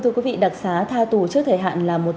thưa quý vị đặc xá tha tù trước thời hạn là một trường hợp